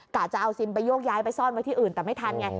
จะเอาซิมไปโยกย้ายไปซ่อนไว้ที่อื่นแต่ไม่ทันไง